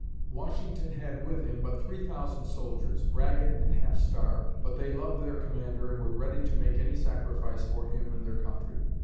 Washington had with him but three thousand soldiers, ragged and half starved, but they loved their Commander and were ready to make any sacrifice for him and their country.